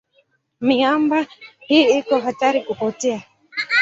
Miamba hii iko hatarini kupotea.